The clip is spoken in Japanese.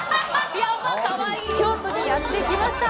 京都にやってきました。